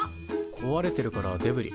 こわれてるからデブリ。